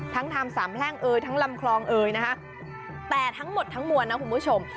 ทางสามแพร่งเอ่ยทั้งลำคลองเอยนะคะแต่ทั้งหมดทั้งมวลนะคุณผู้ชม